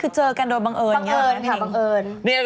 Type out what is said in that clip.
เคยเจอกันโดยบังเอิญอย่างนี้นะนิ้ง